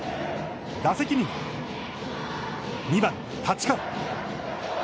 打席には、２番太刀川。